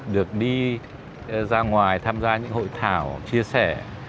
được đi ra ngoài tham gia những hội thảo chia sẻ